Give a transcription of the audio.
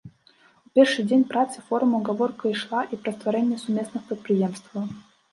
У першы дзень працы форума гаворка ішла і пра стварэнне сумесных прадпрыемстваў.